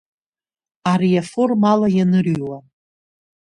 Ари аформа ала ианырҩуа.